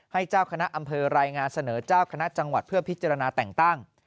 เจ้าคณะอำเภอรายงานเสนอเจ้าคณะจังหวัดเพื่อพิจารณาแต่งตั้ง